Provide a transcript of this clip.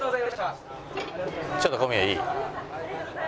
ちょっと小宮いい？